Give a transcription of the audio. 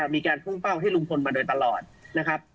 มีการพุ่งเป้าให้ลุงพลมาโดยตลอดนะครับ